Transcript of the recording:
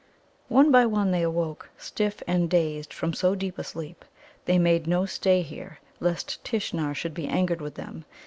One by one they awoke, stiff and dazed from so deep a sleep. They made no stay here, lest Tishnar should be angered with them.